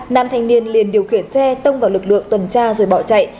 nam thanh niên liền điều khiển xe tông vào lực lượng tuần tra rồi bỏ chạy